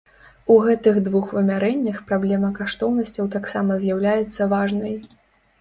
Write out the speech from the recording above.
У гэтых двух вымярэннях праблема каштоўнасцяў таксама з'яўляецца важнай.